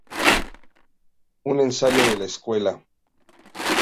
Un ensayo de la escuela.